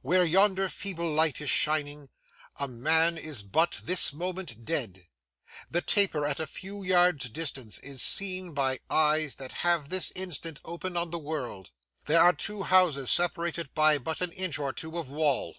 Where yonder feeble light is shining, a man is but this moment dead. The taper at a few yards' distance is seen by eyes that have this instant opened on the world. There are two houses separated by but an inch or two of wall.